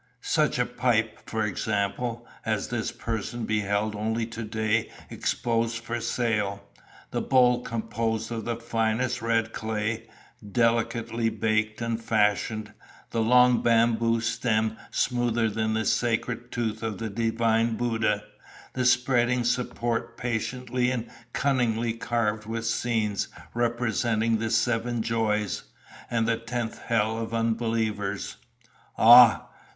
such a pipe, for example, as this person beheld only today exposed for sale, the bowl composed of the finest red clay, delicately baked and fashioned, the long bamboo stem smoother than the sacred tooth of the divine Buddha, the spreading support patiently and cunningly carved with scenes representing the Seven Joys, and the Tenth Hell of unbelievers." "Ah!"